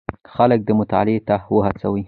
خلک مطالعې ته وهڅوئ.